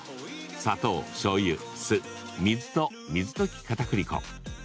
砂糖、しょうゆ、酢水と水溶きかたくり粉。